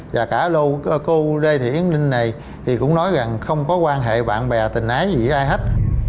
và cả lô cô lê thị yến ninh này thì cũng nói rằng không có quan hệ bạn bè tình ái gì với ai hết